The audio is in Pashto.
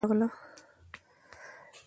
له چوترې څخه يې د تره چيغه راغله!